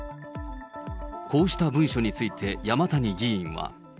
こうした文書について山谷議員は。